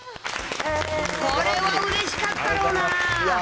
これはうれしかったろうな。